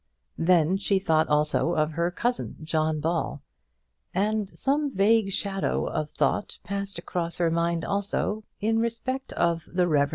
Then she thought also of her cousin, John Ball; and some vague shadow of thought passed across her mind also in respect of the Rev. Mr Maguire.